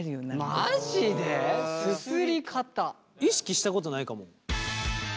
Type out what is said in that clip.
意識したことないかも。